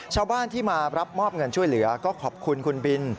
ชาวบ้านที่มารับมอบเงินช่วยเหลือก็ขอบคุณคุณบิน